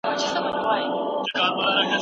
د نړۍ په ډېرو پوهنتونونو کي ستونزي سته.